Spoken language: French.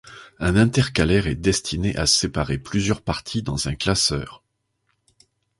Un intercalaire est destiné à séparer plusieurs parties dans un classeur.